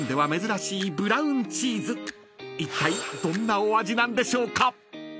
［いったいどんなお味なんでしょうか？］